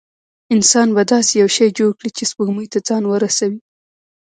انسان به داسې یو شی جوړ کړي چې سپوږمۍ ته ځان ورسوي.